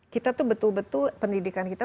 kita tuh betul betul pendidikan kita